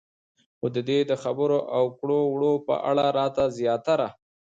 خو د دې د خبرو او کړو وړو په اړه راته زياتره